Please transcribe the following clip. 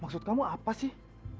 maksud kamu apa sih